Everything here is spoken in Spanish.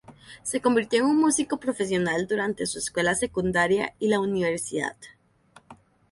Se convirtió en un músico profesional durante su escuela secundaria y la universidad.